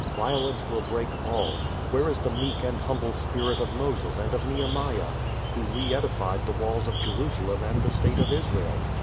Violence will break all. Where is the meek and humble spirit of Moses and of Nehemiah, who re edified the walls of Jerusalem and the state of Israel?